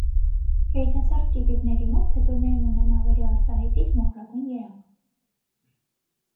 Երիտասարդ կիվիվների մոտ փետուրները ունեն ավելի արտահայտիչ մոխրագույն երանգ։